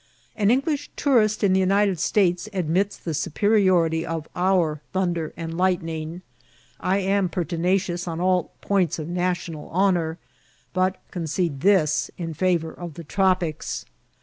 An English tourist in the United States admits the superiority of our thunder and lightning. I am pertinacious on all points of national honour, but concede this in favour of the tropics.